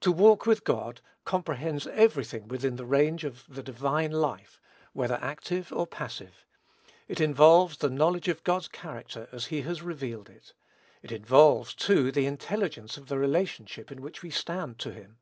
To walk with God comprehends every thing within the range of the divine life, whether active or passive. It involves the knowledge of God's character as he has revealed it. It involves, too, the intelligence of the relationship in which we stand to him.